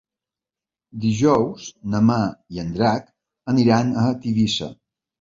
Dijous na Mar i en Drac aniran a Tivissa.